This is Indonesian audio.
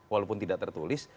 walaupun tidak tertulis